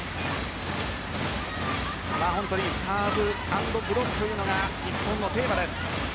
本当にサーブアンドブロックというのが日本のテーマです。